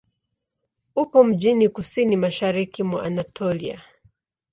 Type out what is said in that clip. Upo mjini kusini-mashariki mwa Anatolia.